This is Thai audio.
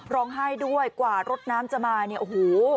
ร้องไห้ด้วยกว่ารถน้ำจะมาเนี่ยโอ้โห